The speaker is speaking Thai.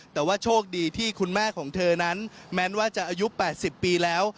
แต่ว่าโชคดีที่คุณแม่ของเธอนั้นแม้ว่าจะอายุ๘๐ปีแล้ว